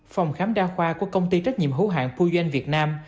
phòng khám đa khoa của công ty trách nhiệm hữu hạn puyen việt nam